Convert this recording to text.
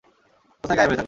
কোথায় গায়েব হয়ে থাকো?